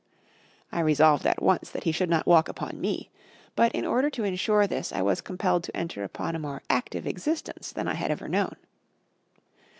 I resolved at once that he should not walk upon me; but in order to insure this, I was compelled to enter upon a more active existence than I had ever known.